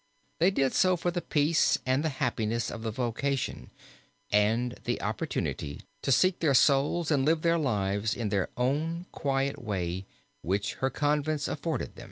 They did so for the peace and the happiness of the vocation, and the opportunity to seek their souls and live their lives in their own quiet way, which her convents afforded them.